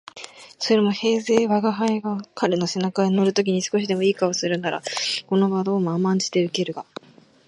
それも平生吾輩が彼の背中へ乗る時に少しは好い顔でもするならこの漫罵も甘んじて受けるが、